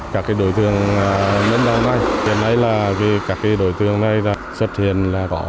các đối tượng nâng đầu này hiện nay là vì các đối tượng này là xuất hiện là có